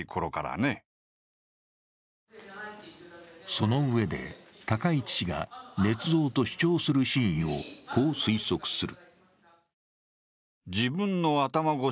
そのうえで、高市氏がねつ造と主張する真意をこう推測する。